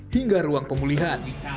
hingga ruang pemulihan